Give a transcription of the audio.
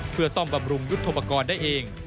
เพื่อซ่อมบำรุงยุทธโปรกรณ์ได้เอง